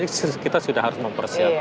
kita sudah harus mempersiapkan